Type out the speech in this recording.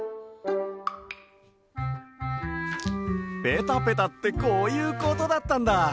ペタペタってこういうことだったんだ！